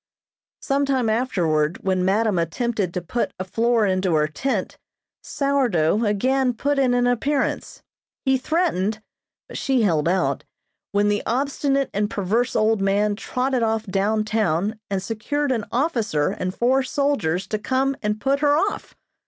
Some time afterward, when madam attempted to put a floor into her tent, "Sourdough" again put in an appearance. He threatened, but she held out, when the obstinate and perverse old man trotted off down town and secured an officer and four soldiers to come and put her off.